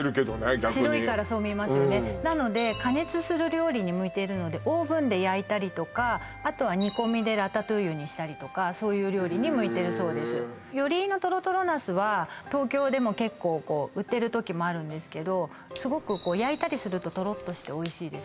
逆に白いからそう見えますよねなので加熱する料理に向いているのでオーブンで焼いたりとかあとは煮込みでラタトゥーユにしたりとかそういう料理に向いてるそうですへえ寄居のとろとろナスは東京でも結構こう売ってる時もあるんですけどすごくこう焼いたりするととろっとしておいしいですね